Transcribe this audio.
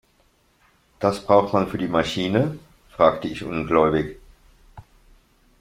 Das braucht man für die Maschine?, fragte ich ungläubig.